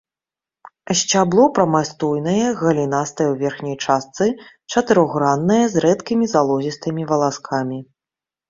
Сцябло прамастойнае, галінастае ў верхняй частцы, чатырохграннае, з рэдкімі залозістымі валаскамі.